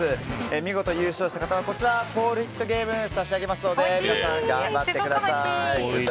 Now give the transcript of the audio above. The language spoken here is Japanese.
見事、優勝した方はこちらのポールヒットゲームを差し上げますので皆さん、頑張ってください！